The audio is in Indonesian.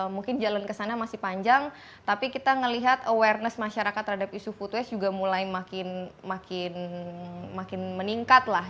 mungkin jalan kesana masih panjang tapi kita melihat awareness masyarakat terhadap isu food waste juga mulai makin meningkat lah